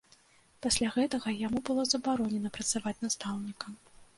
Пасля гэтага яму было забаронена працаваць настаўнікам.